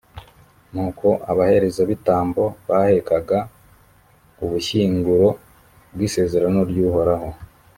nuko abaherezabitambo bahekaga ubushyinguro bw’isezerano ry’uhoraho.